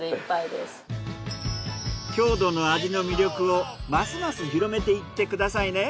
郷土の味の魅力をますます広めていって下さいね！